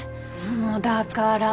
もうだから。